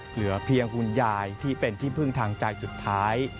เหลือเพียงคุณยายที่เป็นที่พึ่งทางใจสุดท้าย